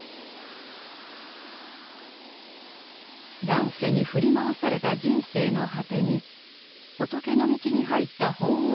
乱世に振り回された人生の果てに仏の道に入った法皇の言葉。